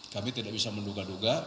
kami tidak bisa menduga duga